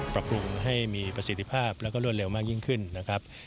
ปรับปรุงให้มีประสิทธิภาพแล้วก็รวดเร็วมากยิ่งขึ้นนะครับ